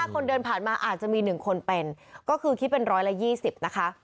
คนเดินผ่านมาอาจจะมี๑คนเป็นก็คือคิดเป็น๑๒๐นะคะ